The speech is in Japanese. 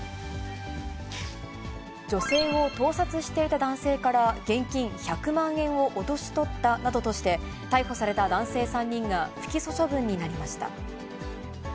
女性を盗撮していた男性から現金１００万円を脅し取ったなどとして、逮捕された男性３人が不起訴処分になりました。